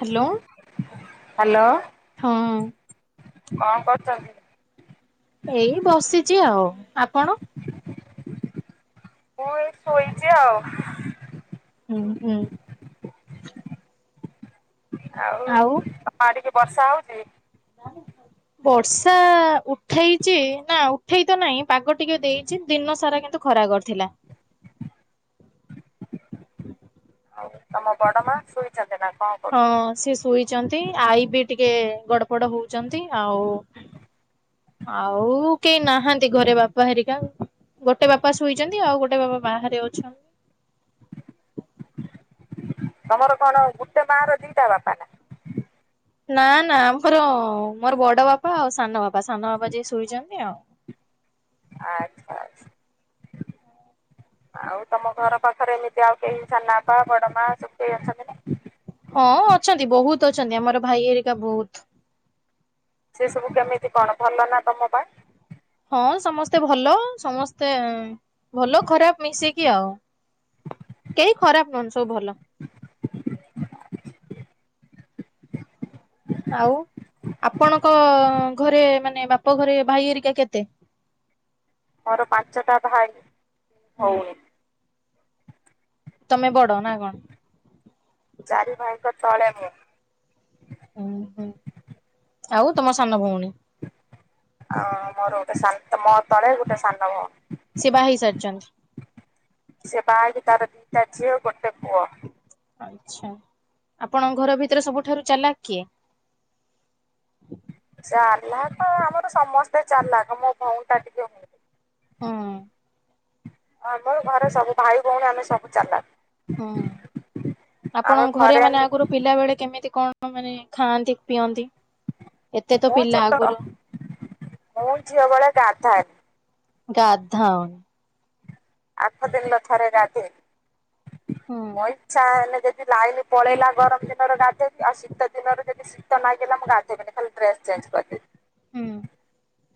Hello hello. ହଁ। କଣ କରୁଛନ୍ତି? ଏଇ ବସିଛି ଆଉ ଆପଣ? ମୁଁ ଏଇ ଶୋଇଛି ଆଉ। ହୁଁ ହୁଁ। ଆଉ ତମ ଆଡିକି ବର୍ଷା ହଉଛି? ହଁ ବର୍ଷା ଉଠେଇଛି ନା ଉଠେଇ ତ ନାହିଁ ପାଗ ଟିକେ ଦେଇଛି ଦିନ ସାରା କିନ୍ତୁ ଖ ରା କରିଥିଲା। ଆଉ। ତମ ବଡ ମା ଶୋଇଛନ୍ତି ନା କଣ କରୁଛନ୍ତି? ହଁ ସେ ଶୁଇଚନ୍ତି ଆଈ ବି ଟିକ କେ ଗଡ଼ ପଡ଼ ହଉଛନ୍ତି ଆଉ। ଆଉ କେହି ନାହାନ୍ତି ଘରେ ବାପା ହେରିକା। ଗୋଟେ ବାପା ଶୋଇଛନ୍ତି ଆଉ ଗୋଟେ ବାପା ବାହାରେ ଅଛନ୍ତି। [inaudible] ତମର କଣ ଗୋଟେ ମା ର ଦିଟା ବାପା ନା। ନା ନା ଆମର ମୋର ବଡ ବାପା ଆଉ ସାନ ବାପା ସାନ ବାପା ଯିଏ ସୋଇଛନ୍ତି ଆଉ। ଆଚ୍ଛା ଆଚ୍ଛା। ଆଉ ତମ ଘର ପାଖରେ ଏମିତି ଆଉ କେହି ସାନାପା ବଡ ମା ସବୁ କେହି ଅଛନ୍ତି ନା। ହଁ ଅଛନ୍ତି ବହୁତ ଅଛନ୍ତି ଆମର ଭାଇ ହେରିକା ବହୁତ। ସେ ସବୁ କେମିତି କଣ ଭଲ ନା ତମ ପାଇଁ। ହଁ ସମସ୍ତେ ଭଲ ସମସ୍ତେ ଭଲ ଖରାପ ମିଶିକି ଆଉ। କେହି ଖରାପ ନୁହନ୍ତି ସବୁ ଭଲ। ଆଉ। ଆପଣଙ୍କ ଘରେ ମାନେ ବାପ ଘରେ ଭାଇ ହେରିକା କେତେ? ମୋର ପାଞ୍ଚଟା ଭାଇ ହୁଁ ଭଉଣୀ। ତମେ ବଡ ନା କଣ? ଚାରି ଭାଇଙ୍କ ତଳେ ମୁଁ। ଅଁ, ହଁ ଆଉ ତୋମ ସାନ ଭଉଣୀ। ହଁ ମୋର ଗୋଟେ ସାନ ଏ ମୋ ତଳେ ଗୋଟେ ସାନ ଭଉଣୀ। ସେ ବାହା ହେଇ ସାରିଚନ୍ତି? ସେ ବାହା ହେଇକି ତାର ଦିଟା ଝିଅ ଗୋ ହୁଁ [inaudible] ଆଚ୍ଛା ଆପଣଙ୍କ ଘର ଭିତରେ ସବୁଠାରୁ ଚାଲାକ କିଏ? ଫିହ୍ଲଲ ତ ଆମର ସମସ୍ତେ ଚାଲାଖ ମୋ ଭଉଣୀ ଟା ଟିକେ ହୁଣ୍ଡି। ହଁ। ଆମ ଘରେ ସବୁ ଭାଇ ଭଉଣୀ ଆମେ ସବୁ ଚାଲାଖ। ହଁ ଆପଣଙ୍କ ଘରେ ଫରେନ୍ ମାନେ ଆଗରୁ ପିଲା ବେଳେ କେମିତି କଣ ମାନେ ଖାଆନ୍ତି ପିଅନ୍ତି? ଏତେ ତ ମୁଁ ପିଲା ଛୋଟ, ଆଗରୁ ମୁଁ ଝିଅ ବଳେ ଗାଧାଏନି। ଗାଧାଅନି। ଆଠ ଦିନରେ ଥରେ ଗାଧେଇମି। ହୁଁ ମୋ ଇଚ୍ଛା ହେଲେ ଯେ [unintelligible] ଲାଇନ୍ ପଳେଇଲା ଗରମ ଦିନର ଗାଧେଇମି। ଆଉ ଶୀତ ଦିନରେ ଯଦି ଶୀତ ନାଗିଲା ମୁଁ ଗାଧେଇବିନି ଖାଲି ଡ୍ରେସ୍ ଚେ ଚେଞ୍ଜ କରଦେ [inaudible] ହଁ।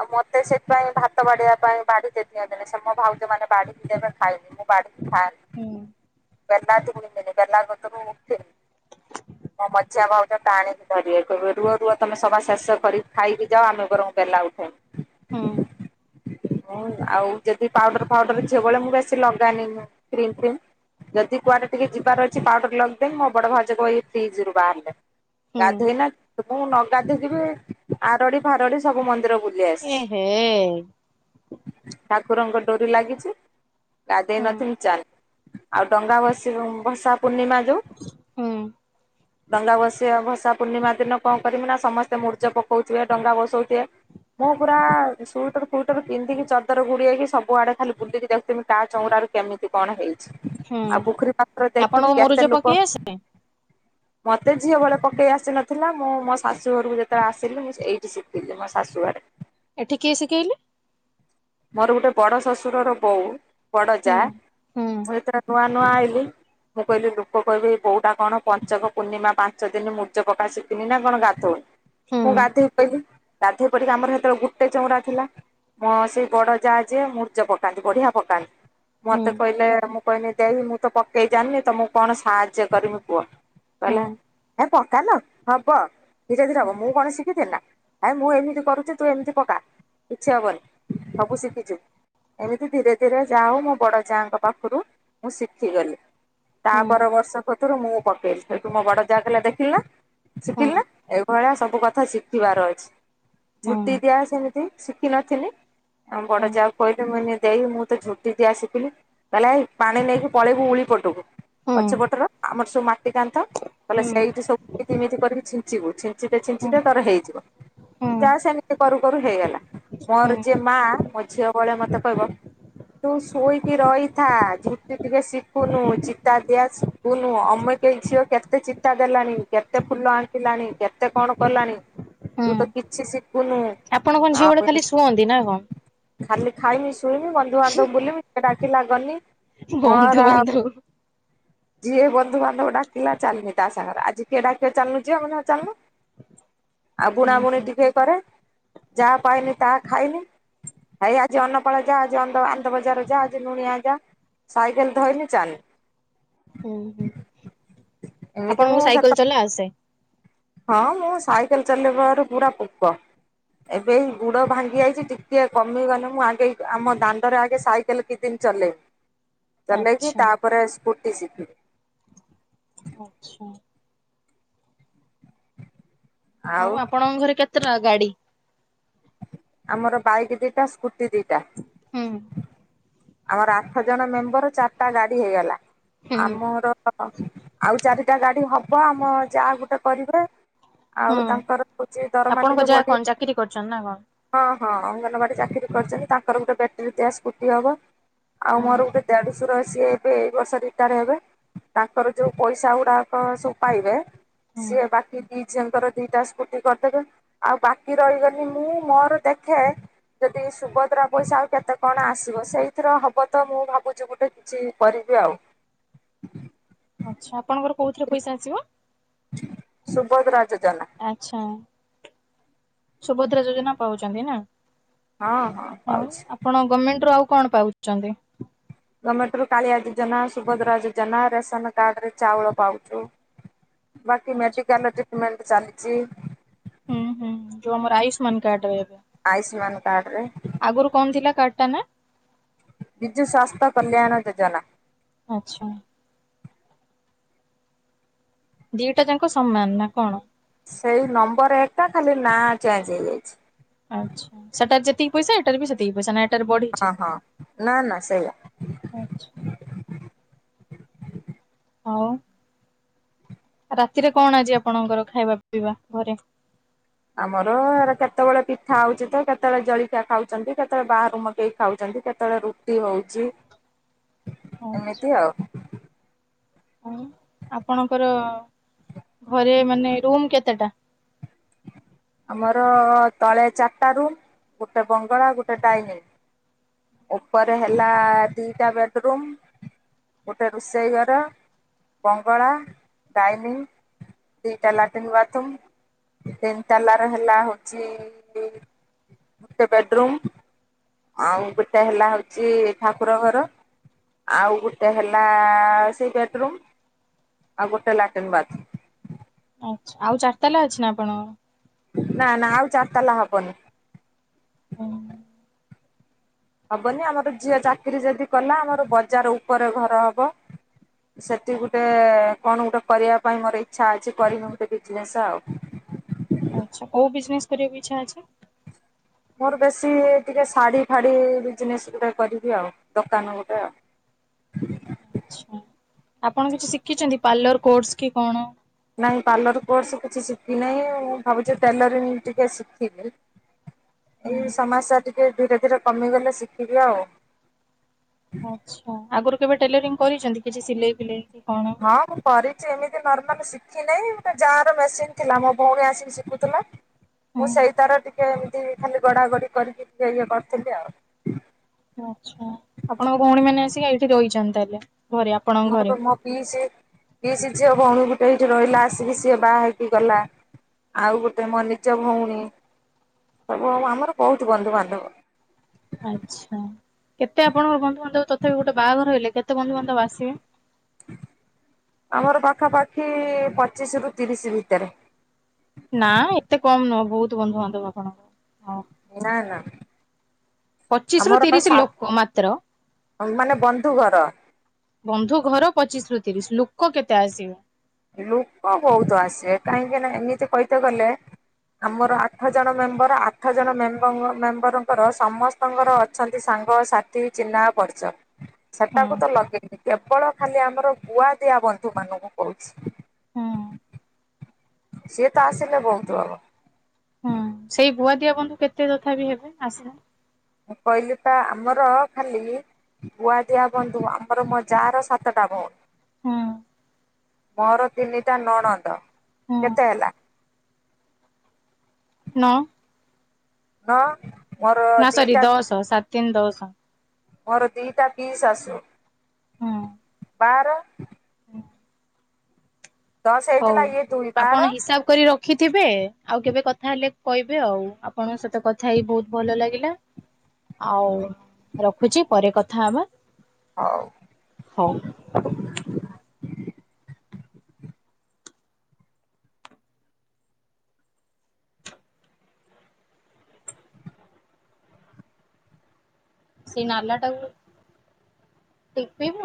ଆଉ ମୋତେ ସେଥିପାଇଁ ଭାତ ବାଢିବା ପାଇଁ ବାଢି [unintelligible] ସେ ମୋ ଭାଉଜ ମାନେ ବାଢିକି ଦେବେ ମୁଁ ଖାଇବି ମୁଁ। ବାଢିକି ଖାନ ହୁଁ ବେଲା [unintelligible] ବେଲା କତରୁ ଉଠିମିନି। ମୋ ମଝିଆ ଭାଉଜ ପାଣି ଦେ ଧରିବାକୁ ମୁଁ ରୁହ ରୁହ ତୋମେ ସାବା ଶେଷ କରି ଖାଇକି ଯାଅ ଆମେ ବରଂ ବେଲା ଉଠଉନୁ। ହଁ। ଆଉ ଆଉ ଯଦି ପାଉଡର ଫାଉଡର ଝିଅ ବଳେ ମୁଁ ବେଶି ଲଗାନିି ମୁଁ କ୍ରିମ ଫ୍ରିମ୍। ଯଦି କୁଆଡ଼େ ଟିକେ ଯିବାର ଅଛି ପାଉଡର ଲଗଦେମ ମୋ ବଡ଼ ଭଉଜ କହିବେ ଫ୍ରିଜରୁ ବାହାରିଲେ। ହୁଁ ଗାଧେଇନା ମୁଁ ନ ଗାଧେଇକି ବି ଆରଡି ଫାରଡି ସବୁ ମନ୍ଦିର ବୁଲ ଏ ହେ। ଠାକୁରଙ୍କ ଡୋରି ଲାଗିଛି। ଗାଧେଇ ହୁଁ ନଥିମି ଚାଲ ଆଉ ଡଙ୍ଗା ବସିକି ମୁଁ ଭସା ପୂର୍ଣ୍ଣିମା ଯୋଉ ହୁଁ ଡଙ୍ଗା ଭସେଇବା ଭସା ପୂର୍ଣ୍ଣିମା ଦିନ କଣ କରିମି ନା ସମସ୍ତେ ମୁୂରୁଜ ପକଉଥିବେ, ଡଙ୍ଗା ବସଉଥିବେ। ମୁଁ ପୁରା ସୁଇଟର ଫୁଇଟର ପିନ୍ଧିକି ଚଦର ଘୁଡି ହେଇକି ସବୁ ଆଡେ ଖାଲି ବୁଲିକି ଦେ ତିମି ତା ଚଉଁରାରୁ କେମିତି କଣ ହେଇ ହୁଁ। ଆଉ ପୁଖରୀ ପାତ୍ର ଦେଖିବି ଆପଣଙ୍କୁ ମୁରୁଜ କେତେ ଲୋକ ପକେଇ ଆସେ ମୋତେ ଝିଅ ବେଳେ ପକେଇ ଆସି ନଥିଲା। ମୁଁ ମୋ ଶାଶୁ ଘରକୁ ଯେତେବେଳେ ଆସିଲି ମୁଁ ଏଇଟି ଶିକିଲି ମୋ ଶାଶୁଘରେ। ଏଠି କିଏ ଶିଖେଇଲେ? ମୋର ଗୋଟେ ବଡ ଶାଶୁରର ବୋଉ ବଡ ହୁଁ ଯା ହୁଁ ମୁଁ ଏତର ନୂଆ ନୂଆ ଆଇଲି ମୁଁ କହିଲି ଲୋକ କହିବେ ଏଇ ବୋଉଟା କଣ ପଞ୍ଚକ ପୂର୍ଣ୍ଣିମା ପାଞ୍ଚ ଦିନ ମୁରୂଜ ପକା ଶିକିନି ନା କଣ ଗାଧଉ ହୁଁ ମୁଁ ଗାଧେଇ ପଇଲି। ଗାଧେଇ ପଡିକି ଆମର ସେତେବେଳ ଗୁଟେ ଚଉଁରା ଥିଲା। ମୋ ସେଇ ବଡ ଯା ଯିଏ ମୂରଜ ପକାନ୍ତି। ବଢିଆ ପକାନ୍ତି ହୁଁ ମୋତେ କହିଲେ ମୁଁ କହିନି ଦେଇ ମୁଁ ତ ପକେଇ ଜାଣିନି ତ ମୁଁ କଣ ସାହାଯ୍ୟ କରିମି କୁଅ। କହିଲା ହୁଁ ହେ ପ କାଲ ହବ ଧୀରେ ଧୀରେ ହବ ମୁଁ କଣ ଶିକିଥିନି ନା। ଆଏ ମୁଁ ଏମିତି କରୁଚି ତୁ ଏମିତି ପକା କିଛି ହବନି, ସବୁ ଶିଖିଯିବୁ। ଏମିତି ଧୀରେ ଧୀରେ ଯାହା ହଉ ମୋ ବଡ଼ ଯାଆଙ୍କ ପାଖରୁ ମୁଁ ଶିଖିଗଲି। ତା ହୁଁ ପର ବର୍ଷ କତରୁ ମୁଁ ପକେଇଲି ସେଠୁ ମୋ ବଡ ଯାଆ କହିଲା ଦେଖିଲି ନା। ହୁଁ ଶିଖିଲା ନା ଏଇ ଭଳିଆ ସବୁ କଥା ଶିଖିବାର ଅଛି। ହୁଁ। ଝୁଟି ଦିଆ ସେମିତି ଶିଖିିନଥିଲି। ଆମ ହୁଁ ବଡ ଯାଆକୁ କହିଲି ମୁଁ କହିନି ଦେଇ ମୁଁ ତ ଝୁଟିି ଦିଆ ଶିକିନି ତାହାଲେ ଏଇ ପାଣି ନେଇକି ପଳେଇବୁ ଉଳି ପଟକୁ ହୁଁ ପଛ ପଟର ଆମର ସବୁ ମାଟି କାନ୍ଥ କହିଲେ ହୁଁ ସେଇଠି ସବୁ ଏମିତି ଏମିତି କରିକି ଛିଞ୍ଚିବୁ ଛି ଛିଟେ ହୁଁ ଛିଞ୍ଚିିଦେ ତାର ହେଇଯିବ। ହୁଁ। ଯାହା ସେମିତି କରୁ କରୁ ହେଇଗଲା। ମୋର ହୁଁ ଯିଏ ମା ମୋ ଝିଅ ବଳେ ମତେ କହିବ ତୁ ଶୋଇକି ରହିଥା ଝୁଟି ଟିକେ ଶିଖୁନୁ ଚିତା ଦିଆ ଶିଖୁନୁ ଅମେ କେ କେଇ ଝିଅ କେତେ ଚିତା ଦେଲାଣି କେତେ ଫୁଲ ଆଙ୍କିଲାଣି କେତେ କଣ କଲାଣି ହୁଁ ତୁ ତ କିଛି ଶିଖୁନୁ ଆପଣ କଣ ଝିଅ ବେଳେ ଖାଲି ଆମେ ଶୁଅନ୍ତି ନା କଣ? ଖାଲି ଖାଇମି ଶୁଇମି ବନ୍ଧୁବାନ୍ଧବ ବୁଲମି ସେ ଡାକିଲା ଗନି ମୋର ଆଉ ବନ୍ଧୁବାନ୍ଧବ ଯିଏ ବନ୍ଧୁବାନ୍ଧବ ଡାକିଲା ଚାଲିଲି ତା ସାଙ୍ଗରେ ଆଜି କିଏ ଡାକିଲା ଚାଲୁନୁ ଯିବା ମୁଁ କହେ ହିଁ ଚାଲୁନୁ। ଆଉ ବୁଣାବୁଣି ଟିକେ କରେ। ଯାହା ପାଇନି ତାହା ଖାଇନି। ଆଇ ଆଜି ଅନ୍ନପାଳ ଯା ଆଜି ଅନ୍ଦ ଆନ୍ଦବଜାର ଯା ଆଜି ଲୁଣିଆ ଯା ସାଇକେଲ୍ ଧଇଲି ହୁଁ ହୁଁ ଚାଲ୍ଲି। ଆପଣଙ୍କୁ ସାଇକେଲ ଚଲା ଆସେ? ହଁ ମୁଁ ସାଇକେଲ ଚଲେଇବାରୁ ପୁରା ପୋକ। ଏବେ ଗୁଡ ଭାଙ୍ଗି ଯାଇଛି ଟିକେ କମିଗଲେ ମୁଁ ଆଗେ ଆମ ଦାଣ୍ଡରେ ଆଗେ ସାଇକେଲ କିଛି ଦିନ୍ ଚଲେଇ ଚଲେଇବି ଆଚ୍ଛା ତାପରେ ସ୍କୁଟି ଶିଖିବି। ଆଚ୍ଛା। ହଁ ଆଉ ଆପଣଙ୍କ ଘରେ କେତେଟା ଗାଡ଼ିି? ଆମର ବାଇକ୍ ଦିଟା ସ୍କୁଟି ଦିଟା ହୁଁ ଆମର ଆଠ ଜଣ ମେମ୍ବର ଚାରିଟା ଗାଡି ହେଇଗଲା। ହୁଁ ଆମର ଆଉ ଚାରିଟା ଗାଡି ହବ ଆମ ଯା ଗୋଟେ କରିବେ। ହୁଁ ଆଉ ତାଙ୍କର ହଉଛି ଦରମା ଆପଣଙ୍କ ଟିକେ ଯାହା ବଢି କଣ ଚାକିରି କରିଛନ୍ତି ନା ହଁ। ହଁ ଅଙ୍ଗନବାଡି ଚାକିରି କରିଛନ୍ତି। ତାଙ୍କର ଗୋଟେ ବ୍ୟାଟେରୀ ଦିଆ ସ୍କୁଟି ହବ ଆଉ କଣ? ମୋର ଗୋଟେ ଦେଡ ଶଶୁର ସିଏ ଏବେ ଏଇ ବର୍ଷ ରିଟାୟାର ହେବେ। ତାଙ୍କର ଯୋଉ ପଇସା ଗୁଡାକ ସବୁ ପାଇବେ ହୁଁ ସେ ବାକି ଦି ଝିଅଙ୍କର ଦିଟା ସ୍କୁଟି କରିଦେବେ। ଆଉ ବାକି ରହିଗଲି ମୁଁ ମୋର ଦେଖେ ଯଦି ସୁଭଦ୍ରା ପଇସା ଆଉ କେତେ କଣ ଆସିବ ସେଇ ଥିରେ ହବ ତ ମୁଁ ଭାବୁଛି ଗୋଟେ ଚେ କରିବି ଆଉ। ଆଚ୍ଛା ଆପଣଙ୍କର କୋଉଥିରେ ପଇସା ଆସିବ? ସୁଭଦ୍ରା ଯୋଜ ଆଚ୍ଛା ସୁଭଦ୍ରା ଯୋଜନା ପାଉଛନ୍ତି ନା। ହଁ ହଁ ପାଉଛି। ଆପଣ ଗମେଣ୍ଟରୁୁ ଆଉ କଣ ପାଉଛନ୍ତି? ଗମେଣ୍ଟ ରୁ କାଳିଆ ଯୋଜନା, ସୁଭଦ୍ରା ଯୋଜନା, ରେସନ କାର୍ଡ ରେ ଚାଉଳ ପାଉଛୁ। ବାକି ଆଚ୍ଛା ମେଡିକାଲ ଟ୍ରିଟମେଣ୍ଟ ଚାଲିଛି। ହୁଁ ହୁଁ ଯୋଉ ଆମର ଆୟୁଷ୍ମାନ କାର୍ଡ ରେ ଆୟୁଷ୍ମାନ କାର୍ଡରେ କଣ ଥିଲା କାର୍ଡ ଟା ନା? ବିଜୁ ସ୍ବାସ୍ଥ୍ୟ କଲ୍ୟାଣ ଯୋଜନା। ଆଚ୍ଛା। ଦିଟା ଯାକ ସମାନ ନା କଣ? ସେଇ ନମ୍ବର ଏକା ଖାଲି ନାଁ ଚେଞ୍ଜ ହେଇଯାଇଛି। ତିକି ପଇସା ଏଟାରେ ବି ସେତିକି ପଇସା ନା ଏଟାରେ ବଢିଛି? ହଁ ହଁ ନା ନା ସେଇଆ। ଆଚ୍ଛା ଆଉ। ରାତିରେ କଣ ଆଜି ଆପଣଙ୍କର ଖାଇବା ପିଇବା ଘରେ? ଆମର ଏ କେତେବେଳେ ପିଠା ହଉଛି ତ କେତେବେଳେ ଜଳଖିଆ ଖାଉଛନ୍ତି। କେତେବେଳେ ବାହାରୁ ମଗେଇ ଖାଉଛନ୍ତି। କେତେବେଳେ ରୁଟି ହଉଛି ଆଚ୍ଛା ଏମିତି ଆଉ। ଆପଣଙ୍କର ଘରେ ମାନେ ରୁମ କେତେଟା? [inaudible] ଆମର ତଳେ ଚାର୍ ଟା ରୁମ୍ ଗୋଟେ ବଙ୍ଗଳା ଗୋଟେ ଡାଇନିଂ। ଉପରେ ହେଲା ଦିଟା ବେଡରୁୁମ୍। ଗୋଟେ ରୁଷେଇ ଘର। ବଙ୍ଗଳା ଡାଇନିଂ ଦିଟା ଲାଟିନ୍ ବାଥରୁମ୍ ତିନି ତାଲା ରେ ହେଲା ହଉଛି ଗୋଟେ ବେଡରୁୁମ୍। ଆଉ ଗୋଟେ ହେଲା ହଉଛି ଠାକୁର ଘର। ଆଉ ଗୋଟେ ହେଲା ସେଇ ବେଡରୁମ୍। ଆଉ ଗୋଟେ ଲାଟିନ ବାଥରୁମ୍। ଆଉ ଚାରି ତାଲା ଅଛି ନା ଆପଣ? ନା ନା ଆଉ ଚାରି ତାଲା ହବନି ହୁଁ। ହବନି ଆମର ଝିଅ ଚାକିରି ଯଦି କଲା ଆମର ବଜାର ଉପରେ ଘର ହବ। ସେଠି ଗୁଟେ ଏ ଆଚ୍ଛା କୋଉ ବିଜନେସ କରିବାକୁ ଇଚ୍ଛା ଅଛି? ମୋର ବେଶୀ ଟିକେ ଶାଢ଼ୀ ଫାଢ଼ୀ ବିଜନେସ୍ ଗୋଟେ କରିବି ଆଉ ଦୋକାନ ଗୋଟେ ଆଉ ହ [unintelligible] ଆଚ୍ଛା। ଆପଣ କିଛି ଶିଖିଛନ୍ତି ପାର୍ଲର କୋର୍ସ କି କଣ? ନାଇ ପାର୍ଲର କୋର୍ସ କିଛି ଶିଖି ନାହିଁ ମୁ ଭାବୁଛି ଟେଲର ଟିକେ ଶିଖିବି। ଏଇ ସମସ୍ୟା ଟିକେ ଧୀରେ ଧୀରେ କମିଗଲେ ଶିଖିବି ଆଉ ଆଚ୍ଛା ଆଗରୁ କେବେ ଟେଲରିଂ କରିଛନ୍ତି କିଛି ସିଲେଇ ଫିଲେଇ କି କଣ? ହଁ ମୁଁ କରିଛି ଏମିତି ନର୍ମାଲ ଶିଖିନାଇଁ ଗୋଟେ ଯା ର ମେସିନ୍ ଥିଲା ମୋ ଭଉଣୀ ଆସିକି ଶିଖୁଥିଲା। ହଁ ମୁଁ ସେଇ ତାର ଟିକେ ଏମିତି ଖାଲି ଗଡା ଗଡି କରିକି ଟିକେ ଇଏ କରିଥିଲି ଆଉ ଆଛା ଆପଣଙ୍କ ଭଉଣୀ ମାନେ ଆସିକି ଏଇଠି ରହିଛନ୍ତି ତାହେଲେ? ଘରେ ଆପଣଙ୍କ ଘରେ ମୁଁ ମୋ ପିସି ପିସି ଝିଅ ଭଉଣୀ ଗୋଟେ ଏଇଠି ରହିଲା ଆସିକି ସିଏ ବାହା ହେଇକି ଗଲା। ଆଉ ଗୋଟେ ମୋ ନିଜ ଭଉଣୀ ସବୁ ଆମର ବହୁତୁ ବନ୍ଧୁବାନ୍ଧବ ଆଚ୍ଛା କେତେ ଆପଣଙ୍କର ବନ୍ଧୁବାନ୍ଧବ ତଥାପି ଗୋଟେ ବାହାଘର ହେଲେ କେତେ? କେତେ ବନ୍ଧୁବାନ୍ଧବ ଆସିବେ? ଆମର ପାଖାପାଖି ପଚିଶ ରୁ ତିରିଶ ଭିତରେ ନା ଏତେ କମ ନୁହଁ ବହୁତ ବନ୍ଧୁ ବାନ୍ଧବ ଆପଣଙ୍କ ହ ନା ନା। ପଚିଶ ରୁ ଆମର ତିରିଶ ଲୋକ ସାତ ମାତ୍ର ମାନେ ବନ୍ଧୁ ଘର। ବନ୍ଧୁ ଘର ପଚିଶ ରୁ ତିରିଶ ଲୁକ କେତେ ଆସିବେ? ଲୁକ ବହୁତ ଆସିବେ କାହିଁକି ନା ଏମିତି କହିତ ଗଲେ ଆମର ଆଠ ଜଣ ମେମ୍ବର ଆଠ ଜଣ ମେମ୍ୱ ମେମ୍ବରଙ୍କର ସମସ୍ତଙ୍କର ଅଛନ୍ତି ସାଙ୍ଗ ସାଥି ଚିହ୍ନା ପର୍ଚ ହଁ ସେଟାକୁ ତ ଲଗେଇନି କେବଳ ଖାଲି ଆମର ଗୁଆ ଦିଆ ବନ୍ଧୁ ମାନଙ୍କୁ କହୁଛି ହଁ। ସିଏ ତ ଆସିଲେ ବହୁତ ହବ। ହୁଁ ସେଇ ଗୁଆଦିଆ ବନ୍ଧୁ କେତେ ତଥା ବିି ହେବେ ଆସିଲା? କହିଲି ପା ଆମର ଖାଲି ଗୁଆଦିଆ ବନ୍ଧୁ ଆମର ମୋ ଜା ର ସାତଟା ଭଉଣି ହୁଁ। ମୋର ତିନିଟା ନଣନ୍ଦ ହୁଁ କେତେ ହେଲା? ନଅ। ନଅ। ମୋର ନା ସରି ଦିଟା ଦଶ ସାତ ତିନି ଦଶ ମୋର ଦିଟା ପିଇଶାଶୁ ବାର ହ ଦଶ ହେଇଥିଲା ହଉ ଇଏ ଦୁଇ ଆପଣ ବାର ହିସାବ କରି ରଖିଥିବେ ଆଉ କେବେ କଥା ତାହଲେ କହିବେ ଆଉ ଆପଣଙ୍କ ସହିତ କଥା ହେଇ ବହୁତ ଭଲ ଲାଗିଲା ଆଉ ରଖୁଛି ପରେ କଥା ହେବା। ଆଉ [inaudible] ସେ ନାଲା ଟାକୁ ଟିପିବୁ